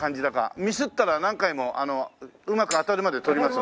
ミスったら何回もうまく当たるまで撮りますんで。